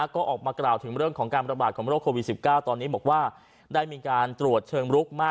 ก็ออกมากล่าวถึงเรื่องการประบาดโรคโครวิด๑๙